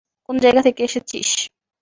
কোন জায়াগা থেকে এসেছিস?